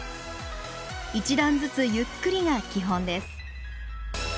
１段ずつゆっくりが基本です。